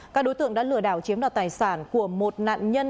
các đối tượng đã lừa đảo chiếm đoạt tài sản của một nạn nhân